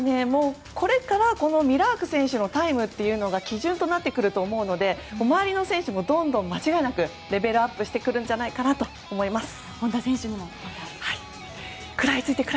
これからミラーク選手のタイムが基準となってくると思うので周りの選手もどんどんレベルアップしてくるんじゃないかと思います。